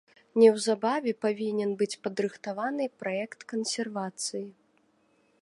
Неўзабаве павінен быць падрыхтаваны праект кансервацыі.